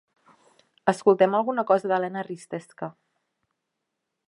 Escoltem alguna cosa d'Elena Risteska.